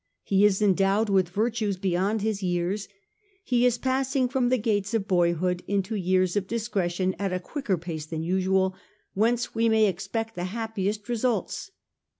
He is endowed with virtues beyond his years ; he is passing from the gate of boy hood into years of discretion at a quicker pace than usual, whence we may expect the happiest results.